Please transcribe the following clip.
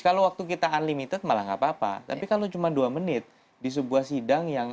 kalau waktu kita unlimited malah nggak apa apa tapi kalau cuma dua menit di sebuah sidang yang